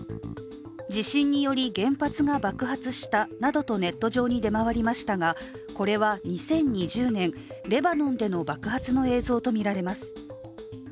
地震により原発が爆発したなどとネット上に出回りましたがこれは２０２０年、レバノンでの爆発の映像とみられます。